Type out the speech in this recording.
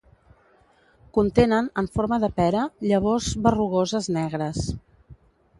Contenen, en forma de pera, llavors berrugoses negres.